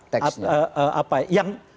tekstnya apa yang